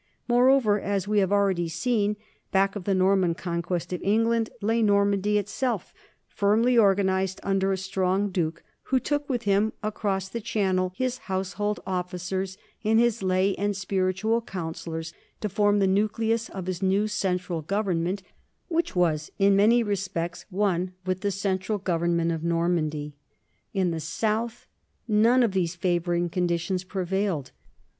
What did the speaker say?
More over, as we have already seen, back of the Norman con quest of England lay Normandy itself, firmly organized under a strong duke, who took with him across the 224 NORMANS IN EUROPEAN HISTORY Channel his household officers and his lay and spiritual counsellors to form the nucleus of his new central gov ernment, which was in many respects one with the cen tral government of Normandy. In the south none of these favoring conditions prevailed.